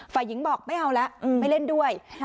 ฝ่ายหญิงบอกไม่เอาแล้วไม่เล่นด้วย